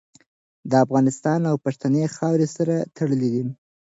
د افغانستان او پښتنې خاورې سره تړلې